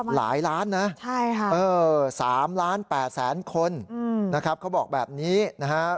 หลายล้านนะ๓ล้าน๘แสนคนนะครับเขาบอกแบบนี้นะฮะ